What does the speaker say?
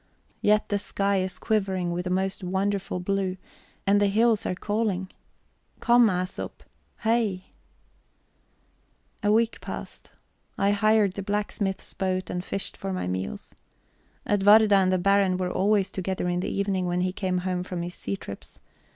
Yet the sky is quivering with the most wonderful blue, and the hills are calling. Come, Æsop, Hei... A week passed. I hired the blacksmith's boat and fished for my meals. Edwarda and the Baron were always together in the evening when he came home from his sea trips.